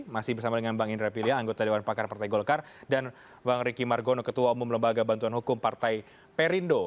masih bersama dengan bang indra piliha anggota dewan pakar partai golkar dan bang riki margono ketua umum lembaga bantuan hukum partai perindo